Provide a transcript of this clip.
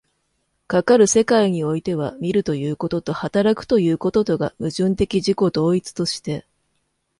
かかる世界においては、見るということと働くということとが矛盾的自己同一として、